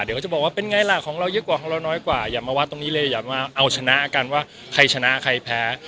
เดี๋ยวเขาจะบอกว่าเป็นไงล่ะของเราเยอะกว่าของเราน้อยกว่าอย่ามาวัดตรงนี้เลยอย่ามาเอาชนะกันว่าใครชนะใครแพ้